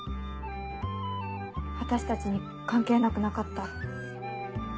私たちに関係なくなかった。